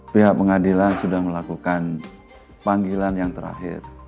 pihak pengadilan sudah melakukan panggilan yang terakhir